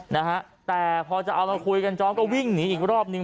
นะฮะแต่พอจะเอามาคุยกันจองก็วิ่งหนีอีกรอบนึง